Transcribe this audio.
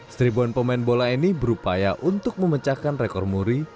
seribuan pemain bola ini berupaya untuk memecahkan rekor muri